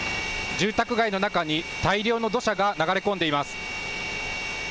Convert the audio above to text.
住宅街の中に大量の土砂が流れ込んでいます。